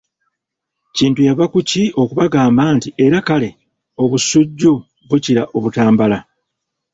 Kintu yava ku ki okubagamba nti Era Kale Obusujju bukira Omutambala?